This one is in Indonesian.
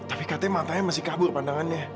tapi katanya matanya masih kabur pandangannya